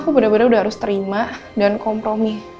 gue bener bener harus terima dan kompromi